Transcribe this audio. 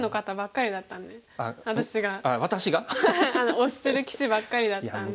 推してる棋士ばっかりだったんで。